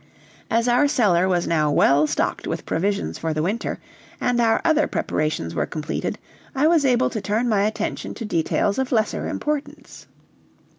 As our cellar was now well stocked with provisions for the winter, and our other preparations were completed, I was able to turn my attention to details of lesser importance.